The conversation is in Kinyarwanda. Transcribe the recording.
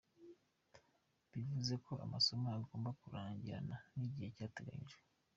Bivuze ko amasomo yagombye kurangirana n’igihe cyateganyijjwe.